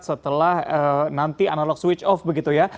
setelah nanti analog switch off begitu ya